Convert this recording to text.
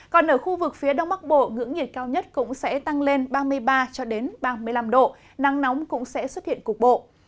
còn ở khu vực phía đông bắc bộ ngưỡng nhiệt cao nhất cũng sẽ tăng lên ba mươi ba ba mươi năm độ nắng nóng cũng sẽ xuất hiện cục bộ